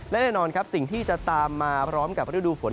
และแน่นอนครับสิ่งที่จะตามมาพร้อมกับฤดูฝน